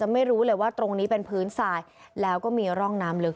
ไม่รู้เลยว่าตรงนี้เป็นพื้นทรายแล้วก็มีร่องน้ำลึก